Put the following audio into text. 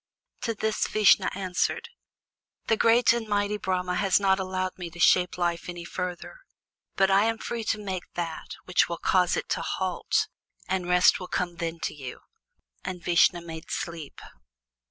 To this Vishnu answered: "The great and all mighty Brahma has not allowed me to shape Life any further, but I am free to make that which will cause it to halt, and rest will come then to you." And Vishnu made Sleep.